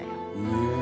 へえ